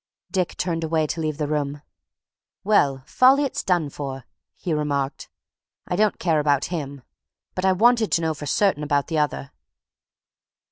Dick turned away to leave the room. "Well, Folliot's done for!" he remarked. "I don't care about him, but I wanted to know for certain about the other."